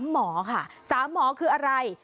หมอค่ะ๓หมอคืออะไร